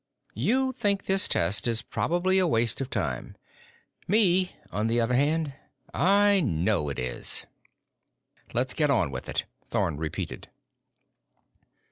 "You think this test is probably a waste of time. Me, on the other hand, I know it is." "Let's get on with it," Thorn repeated.